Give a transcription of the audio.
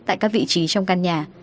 tại các vị trí trong căn nhà